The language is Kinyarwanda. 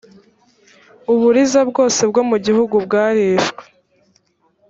uburiza bwose bwo mu gihugu bwarishwe